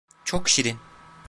Çok şirin.